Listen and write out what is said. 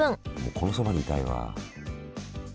このそばにいたいわ。